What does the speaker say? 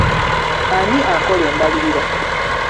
Ani akola embalirira?